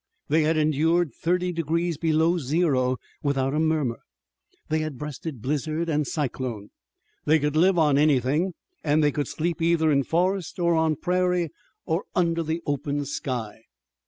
They had endured thirty degrees below zero without a murmur, they had breasted blizzard and cyclone, they could live on anything, and they could sleep either in forest or on prairie, under the open sky.